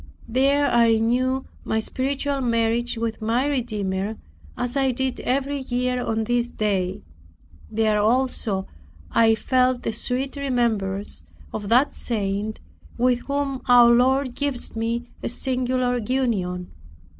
There I renewed my spiritual marriage with my Redeemer, as I did every year on this day. There also I felt a sweet remembrance of that saint, with whom our Lord gives me a singular union.